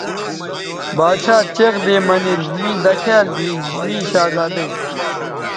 باڇھا چیغ دی مہ نِن می دکھیال دیھی می شہزادئ